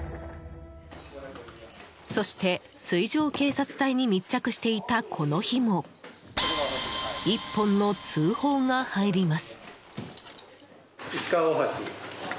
そして水上警察隊に密着していたこの日も１本の通報が入ります。